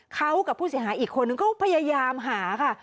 เขากับผู้เสียหายอีกคนนึงก็พยายามหาค่ะ